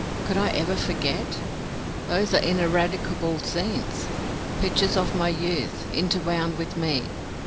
Could I ever forget? Those are ineradicable scenes; pictures of my youth, interwound with me.